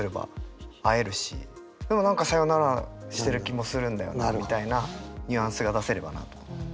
でも何かサヨナラしてる気もするんだよなみたいなニュアンスが出せればなと。